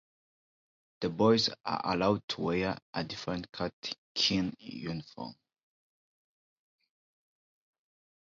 The boys are allowed to wear a different cut khaki uniform.